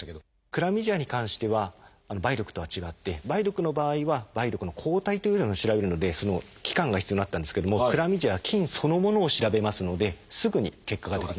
クラミジアに関しては梅毒とは違って梅毒の場合は梅毒の抗体というのを調べるのでその期間が必要になってたんですけどもクラミジアは菌そのものを調べますのですぐに結果が出てきます。